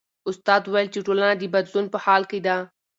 استاد وویل چې ټولنه د بدلون په حال کې ده.